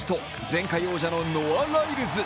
前回王者のノア・ライルズ。